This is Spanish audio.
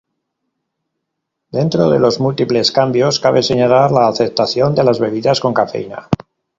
Dentro de los múltiples cambios cabe señalar la aceptación de las bebidas con cafeína.